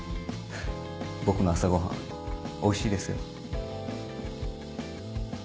僕の朝ごはんおいしいですよ。